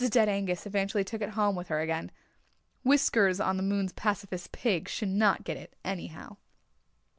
Dead Angus eventually took it home with her again. Whiskers on the moon's pacifist pig should not get it, anyhow.